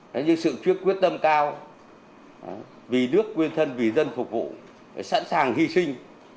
nó như sự quyết tâm cao vì nước quyên thân vì dân phục vụ sẵn sàng hy sinh